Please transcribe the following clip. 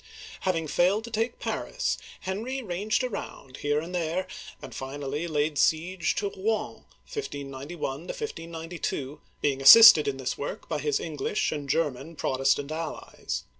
HAVING failed to take Paris, Henry ranged around, here and there, and finally laid siege to Rouen (1 591 1592), being assisted in this work by his English and German Protestant allies.